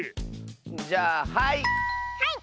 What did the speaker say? じゃあはい！